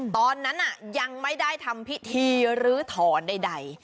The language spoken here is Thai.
ตอนนั้นยังไม่ได้ทำพิธีรื้อถอนใด